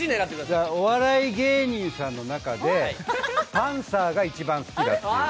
お笑い芸人さんの中でパンサーさんが一番好きだという人。